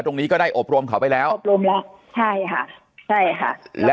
ตรงนี้ก็ได้อบรมเขาไปแล้วอบรมแล้วใช่ค่ะใช่ค่ะแล้ว